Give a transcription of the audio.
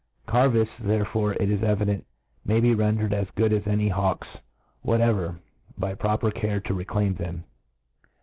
Carvifts, therefore, it is evident, may be rendered as good as any . hawks whatever, by proper care to reclaim them.